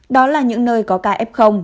đó là những nơi có ca ép không